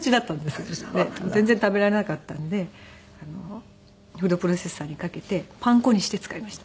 で全然食べられなかったんでフードプロセッサーにかけてパン粉にして使いました。